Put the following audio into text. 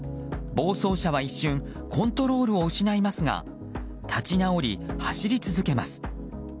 暴走車は一瞬コントロールを失いますが立ち直り、走り続けます。